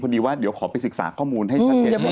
ดีว่าเดี๋ยวขอไปศึกษาข้อมูลให้ชัดเจนหน่อย